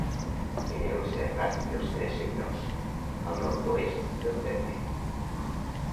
En el Serrat dels Tres Senyors, al nord-oest del terme.